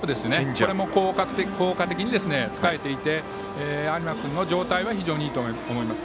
これも効果的に使えていて有馬君の状態は非常にいいと思います。